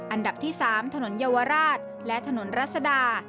อันดับที่๓ถนนเยาวราชและถนนรัศดา